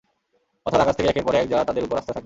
অর্থাৎ আকাশ থেকে একের পর এক যা তাদের উপর আসতে থাকে।